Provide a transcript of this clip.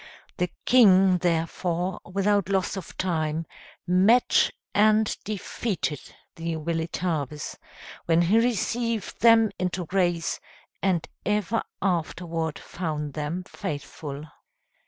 The king, therefore, without loss of time, met and defeated the Weletabes; when he received them into grace, and ever afterward found them faithful.